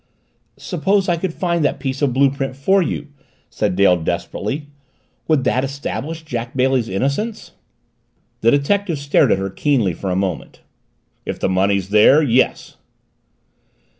"Suppose I could find that piece of blue print for you?" said Dale desperately. "Would that establish Jack Bailey's innocence?" The detective stared at her keenly for a moment. "If the money's there yes."